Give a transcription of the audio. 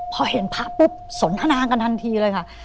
พอเห็นพระปุ๊บสนทนากันทันทีเลยค่ะ